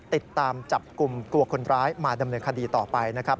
ติดตามจับกลุ่มตัวคนร้ายมาดำเนินคดีต่อไปนะครับ